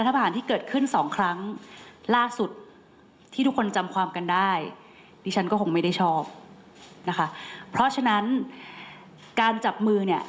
เพราะฉะนั้นการจับมือเนี่ย